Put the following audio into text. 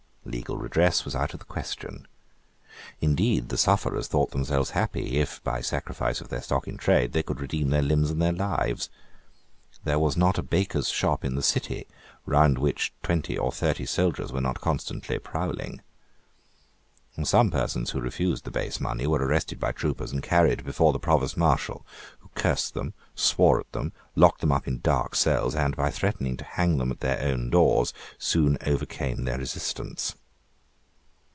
Legal redress was out of the question. Indeed the sufferers thought themselves happy if, by the sacrifice of their stock in trade, they could redeem their limbs and their lives. There was not a baker's shop in the city round which twenty or thirty soldiers were not constantly prowling. Some persons who refused the base money were arrested by troopers and carried before the Provost Marshal, who cursed them, swore at them, locked them up in dark cells, and, by threatening to hang them at their own doors, soon overcame their resistance.